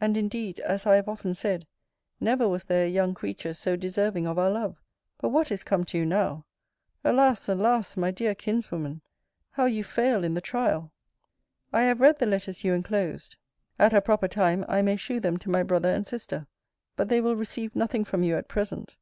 And indeed, as I have often said, never was there a young creature so deserving of our love. But what is come to you now! Alas! alas! my dear kinswoman, how you fail in the trial! I have read the letters you enclosed. At a proper time, I may shew them to my brother and sister: but they will receive nothing from you at present.